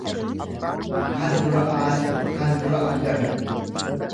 kan dura aane, kan dura argame.